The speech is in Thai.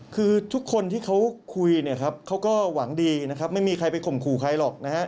คือทุกคนที่เขาคุยเขาก็หวังดีไม่มีใครไปข่มขู่ใครหรอก